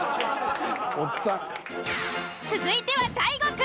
続いては大悟くん。